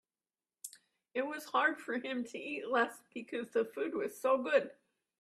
It was hard for him to eat less because the food was so good.